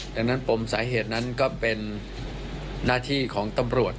ดังนั้นปมสาเหตุนั้นก็เป็นหน้าที่ของตำรวจ